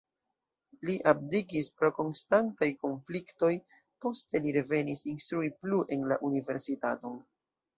Li abdikis pro konstantaj konfliktoj, poste li revenis instrui plu en la universitaton.